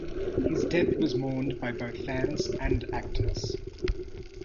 His death was mourned by both fans and actors.